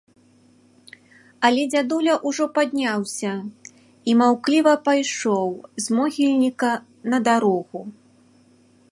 Але дзядуля ўжо падняўся і маўкліва пайшоў з могільніка на дарогу.